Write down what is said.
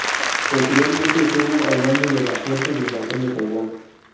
Posteriormente estuvo al mando de la fuerza de invasión de Taiwán.